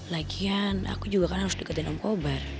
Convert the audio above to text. lagian aku juga kan harus deketin om kobar